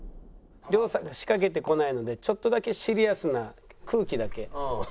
亮さんが仕掛けてこないのでちょっとだけシリアスな空気だけ。